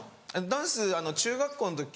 ダンス中学校の時。